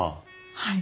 はい。